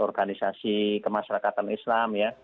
organisasi kemasyarakatan islam